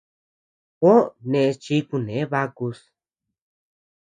Juó neʼes chi kune bakus.